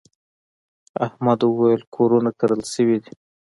احمد وويل: کورونه کرل شوي دي.